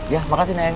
ya makasih neng